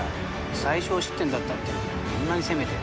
最少失点だったってあんなに攻めて。